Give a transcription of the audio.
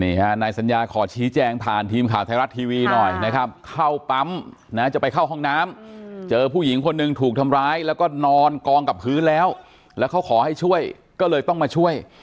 นายสัญญาขอชี้แจงผ่านทีมข่าวไทยรัฐทีวีหน่อยนะครับเข้าปั๊มนะจะไปเข้าห้องน้ำเจอผู้หญิงคนหนึ่งถูกทำร้ายแล้วก็นอนกองกับพื้นแล้วแล้วเขาขอให้ช่วยก็เลยต้องมาช่วย